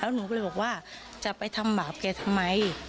หนูก็เลยบอกว่าจะไปทำบาปแกทำไม